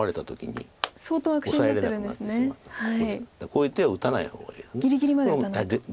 こういう手は打たない方がいいです。